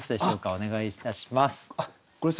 お願いいたします。